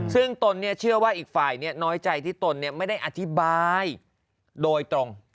ซึ่งตนเชื่อว่าอีกฝ่ายน้อยใจที่ตนไม่ได้อธิบายโดยตรง